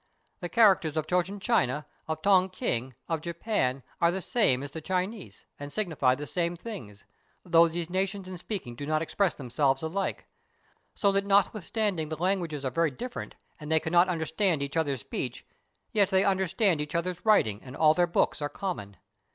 The characters of Cochin China, of Tongking, of Japan, are the same as the Chinese, and signify the same things, though these nations in speaking do not express them selves alike; so that notwithstanding the languages are very different and they cannot understand each other's speech, yet they understand each other's writing and all their books are common.